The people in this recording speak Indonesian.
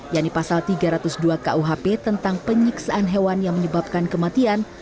yaitu pasal tiga ratus dua kuhp tentang penyiksaan hewan yang menyebabkan kematian